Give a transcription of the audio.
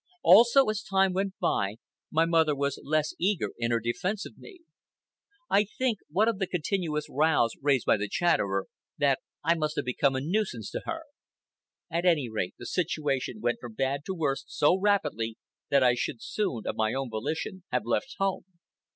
Also, as time went by, my mother was less eager in her defence of me. I think, what of the continuous rows raised by the Chatterer, that I must have become a nuisance to her. At any rate, the situation went from bad to worse so rapidly that I should soon, of my own volition, have left home.